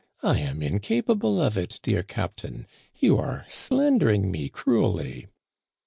1 am incapable of it, dear captain. You are slandering me cruelly."